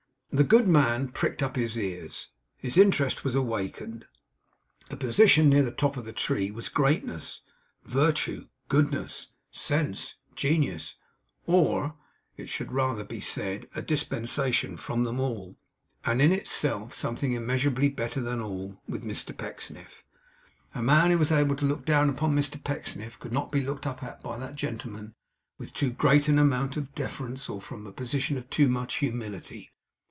The good man pricked up his ears; his interest was awakened. A position near the top of the tree was greatness, virtue, goodness, sense, genius; or, it should rather be said, a dispensation from all, and in itself something immeasurably better than all; with Mr Pecksniff. A man who was able to look down upon Mr Pecksniff could not be looked up at, by that gentleman, with too great an amount of deference, or from a position of too much humility.